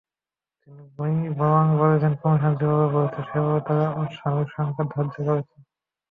তিনি বরং বলেছেন, কমিশন যেভাবে বলেছে, সেভাবে তাঁরা আসামির সংখ্যা ধার্য করেছেন।